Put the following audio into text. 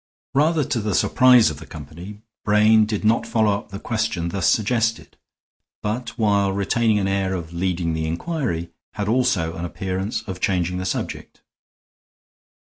Rather to the surprise of the company, Brain did not follow up the question thus suggested; but, while retaining an air of leading the inquiry, had also an appearance of changing the subject.